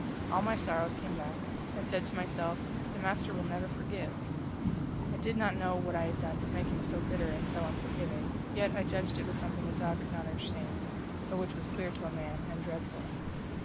All my sorrows came back. I said to myself, the master will never forgive. I did not know what I had done to make him so bitter and so unforgiving, yet I judged it was something a dog could not understand, but which was clear to a man and dreadful.